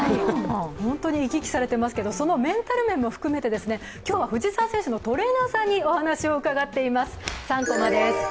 本当に生き生きされてますけどそのメンタル面も含めて、今日は藤澤選手のトレーナーさんにお話を伺っています。